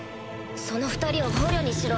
その２人を捕虜にしろ。